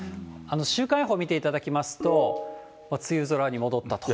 週間予報を見ていただきますと、梅雨空に戻ったと。